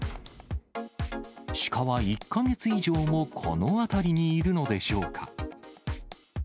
シカは１か月以上もこの辺りにいるのでしょうか。